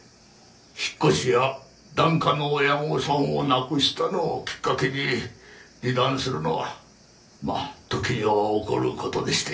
引っ越しや檀家の親御さんを亡くしたのをきっかけに離檀するのはまあ時には起こる事でして。